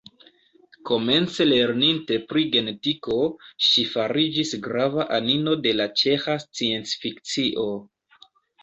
Komence lerninte pri genetiko, ŝi fariĝis grava anino de la ĉeĥa sciencfikcio.